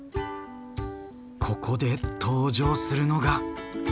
ここで登場するのが！